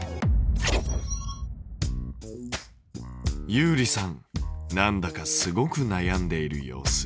ゆうりさんなんだかすごくなやんでいる様子。